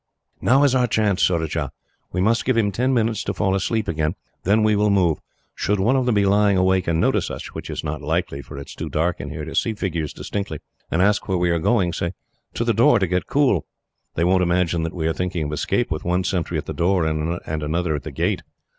"Now is our chance, Surajah. We must give him ten minutes to fall asleep again. Then we will move. Should one of them be lying awake, and notice us which is not likely, for it is too dark in here to see figures distinctly and ask where we are going, say, 'To the door, to get cool.' They won't imagine that we are thinking of escape, with one sentry at the door, and another at the gate."